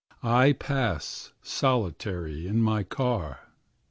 I pass solitary in my car.